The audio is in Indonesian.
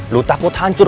lo takut hancur